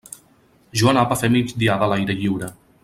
Jo anava a fer migdiada a l'aire lliure.